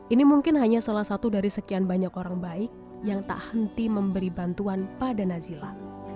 ini mungkin hanya salah satu dari sekian banyak orang baik yang tak henti memberi bantuan pada nazila